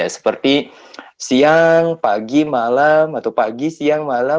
seperti siang pagi malam atau pagi siang malam